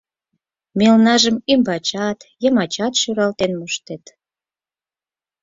Мелнажым ӱмбачат, йымачат шӱралтен моштет.